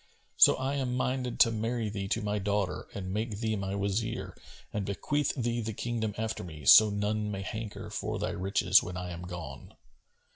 So I am minded to marry thee to my daughter and make thee my Wazir and bequeath thee the kingdom after me, so none may hanker for thy riches when I am gone.